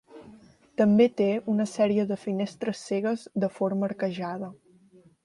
També té una sèrie de finestres cegues de forma arquejada.